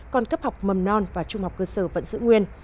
còn cấp học mầm non và trung học cơ sở vẫn giữ nguyên